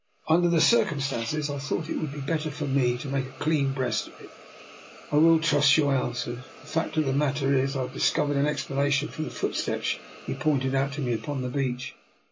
" Under the circumstances I thought it would be better for me to make a clean breast of it. " I will trust you," I answered. " The fact of the matter is, I have discovered an ex planation for the footsteps you pointed out to me upon the beach.